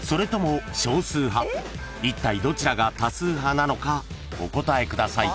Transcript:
［いったいどちらが多数派なのかお答えください］